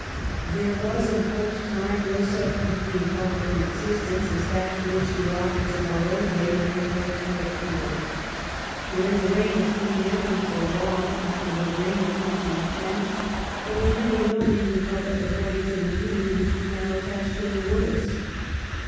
There was in Pope's time no such read ing public in existence as that to which the authors of our own day may hope to appeal. During the reign of Queen Anne, and for long after her reign had come to an end, there was really no reading pubhc according to the meaning which we now attach to the words.